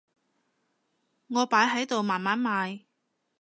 我擺喺度慢慢賣